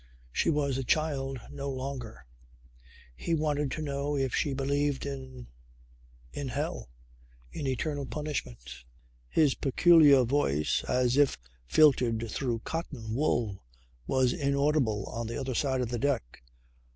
She was a child no longer. He wanted to know if she believed in in hell. In eternal punishment? His peculiar voice, as if filtered through cotton wool was inaudible on the other side of the deck.